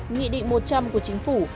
nghị định một trăm linh của chính phủ